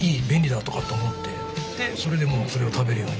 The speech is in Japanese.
でそれでもうそれを食べるように。